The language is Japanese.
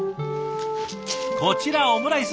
こちらオムライス